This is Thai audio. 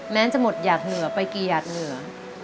จะหมดหยาดเหนือไปกี่หยาดเหนือ